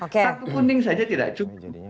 satu kuning saja tidak cukup jadinya